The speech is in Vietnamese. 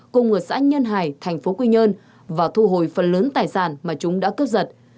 cùng ở xã nhân hải thành phố quy nhơn và thu hồi phần lớn tài sản mà chúng đã cướp giật